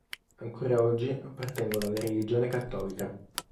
Ancora oggi appartengono alla religione cattolica.